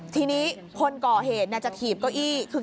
ทีนี้คนก่อเหตุจะถีบเก้าอี้คือ